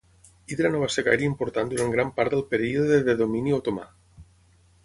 Hidra no va ser gaire important durant gran part del període de domini otomà.